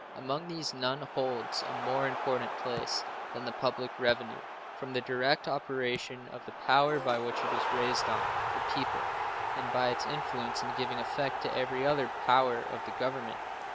Among these none holds a more important place than the public revenue, from the direct operation of the power by which it is raised on the people, and by its influence in giving effect to every other power of the Government.